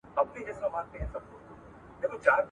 د دوو سترګو نظرانه راڅخه غواړي